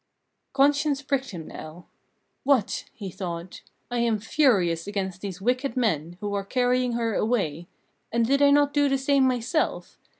Conscience pricked him now. "What!" he thought, "I am furious against these wicked men, who are carrying her away; and did I not do the same myself?